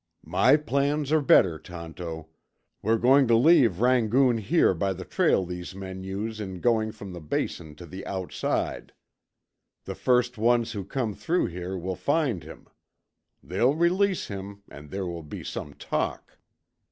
"My plans are better, Tonto. We're going to leave Rangoon here by the trail these men use in going from the Basin to the outside. The first ones who come through here will find him. They'll release him and there will be some talk.